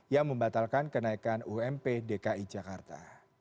yang membatalkan kenaikan ump dki jakarta